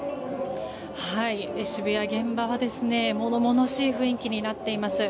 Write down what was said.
渋谷の現場は物々しい雰囲気になっています。